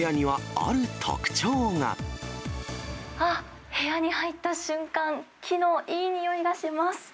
あっ、部屋に入った瞬間、木のいい匂いがします。